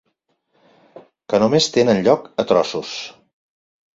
Que només tenen lloc a trossos.